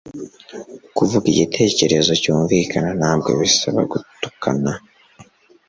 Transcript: Kuvuga igitekerezo cyumvikana ntabwo bisaba gutukana